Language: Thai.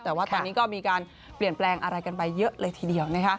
แต่ว่าตอนนี้ก็มีการเปลี่ยนแปลงอะไรกันไปเยอะเลยทีเดียว